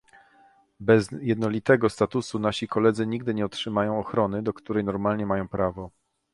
Bez jednolitego statutu nasi koledzy nigdy nie otrzymają ochrony, do której normalnie mają prawo